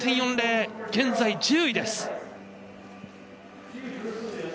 現在１０位です。